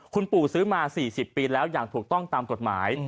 คุณปู่ซื้อมา๔๐ปีแล้วอย่างถูกต้องตามกฎหมาย